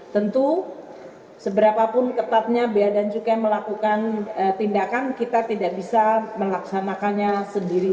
tentu seberapapun ketatnya bea dan cukai melakukan tindakan kita tidak bisa melaksanakannya sendiri